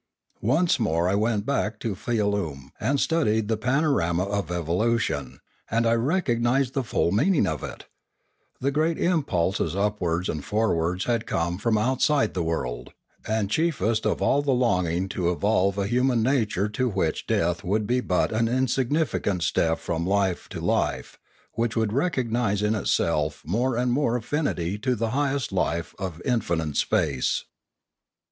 Once more I went back into Fialume and studied the panorama of evolution, and I recognised the full meaning of it; the great impulses upwards and forwards had come from outside the world, and chiefest of all the longing to evolve a human nature to which death would be but an insignificant step from life to life, and which would recognise in itself more and more affinity to the highest life of infinite space.